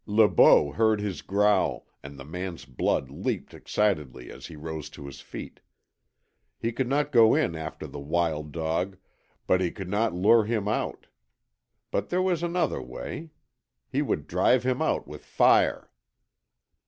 Le Beau heard his growl, and the man's blood leapt excitedly as he rose to his feet. He could not go in after the wild dog, and he could not lure him out. But there was another way. He would drive him out with fire!